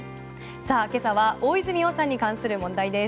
さあ今朝は大泉洋さんに関する問題です。